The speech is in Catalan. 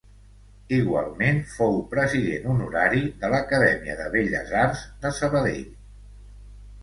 Igualment, fou president honorari de l'Acadèmia de Belles Arts de Sabadell.